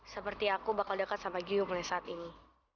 seperti aku bakal dekat sama giung lezat ini